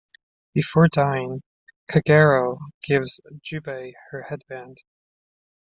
Before dying, Kagero gives Jubei her headband.